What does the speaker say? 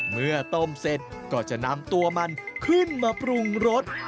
เมื่อต้มเสร็จก็จะนำตัวมันขึ้นมาปรุงรส